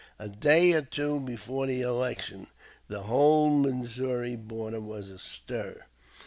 A day or two before the election the whole Missouri border was astir.